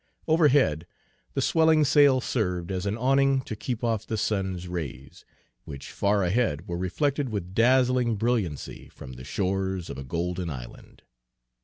Overhead the swelling sail served as an awning to keep off the sun's rays, which far ahead were reflected with dazzling brilliancy from the shores of a golden island.